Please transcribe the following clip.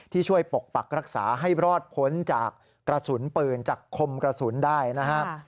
ช่วยปกปักรักษาให้รอดพ้นจากกระสุนปืนจากคมกระสุนได้นะครับ